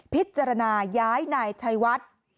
พิจารณาย้ายนายชัยวัด